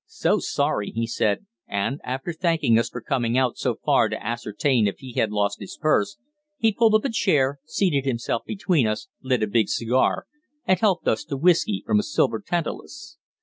"So sorry," he said, and, after thanking us for coming out so far to ascertain if he had lost his purse, he pulled up a chair, seated himself between us, lit a big cigar, and helped us to whiskey from a silver tantalus.